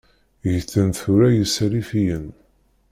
Ggten tura Yisalifiyen.